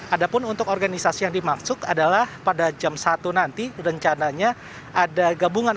ada pun untuk organisasi yang dimaksud adalah pada jam satu nanti rencananya ada gabungan